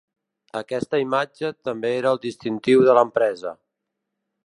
Aquesta imatge també era el distintiu de l'empresa.